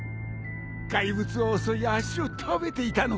怪物を襲い脚を食べていたのか。